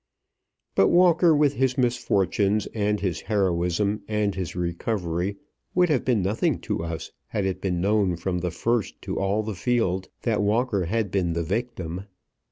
But Walker with his misfortunes and his heroism and his recovery would have been nothing to us had it been known from the first to all the field that Walker had been the victim.